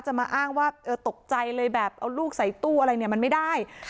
มาอ้างว่าตกใจเลยแบบเอาลูกใส่ตู้อะไรเนี่ยมันไม่ได้